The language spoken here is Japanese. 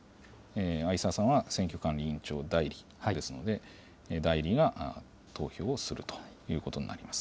逢沢さんは選挙管理委員長代理ですので、代理が投票をするということになります。